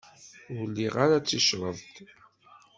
Ur liɣ ara ticreḍt.